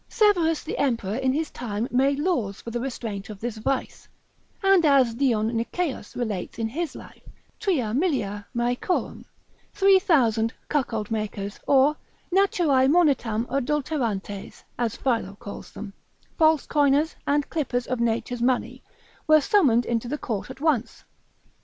Severus the emperor in his time made laws for the restraint of this vice; and as Dion Nicaeus relates in his life, tria millia maechorum, three thousand cuckold makers, or naturae monetam adulterantes, as Philo calls them, false coiners, and clippers of nature's money, were summoned into the court at once.